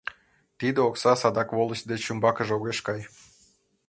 Тиде окса садак волость деч умбакыже огеш кай.